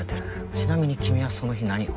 ちなみに君はその日何を？